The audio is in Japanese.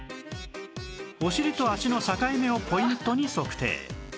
お尻と脚の境目をポイントに測定